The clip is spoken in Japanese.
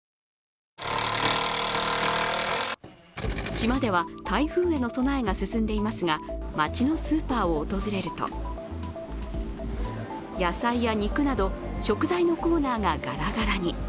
島では台風への備えが進んでいますが、町のスーパーを訪れると、野菜や肉など食材のコーナーがガラガラに。